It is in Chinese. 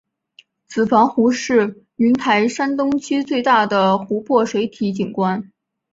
子房湖是云台山东区最大的湖泊水体景观。